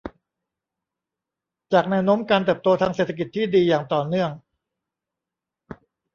จากแนวโน้มการเติบโตทางเศรษฐกิจที่ดีอย่างต่อเนื่อง